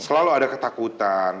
selalu ada ketakutan